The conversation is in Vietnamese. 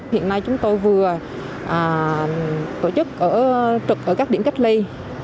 hiện nay chúng tôi vừa tổ chức trực ở các điểm cách ly